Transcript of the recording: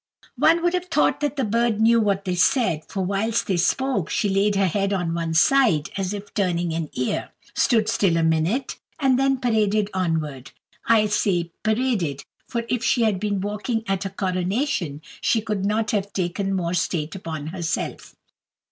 One would have thought that the bird knew what they said, for whilst they spoke, she laid her head on one side, as if turning an ear stood still a minute, and then paraded onwards I say paraded, for if she had been walking at a coronation she could not have taken more state upon herself.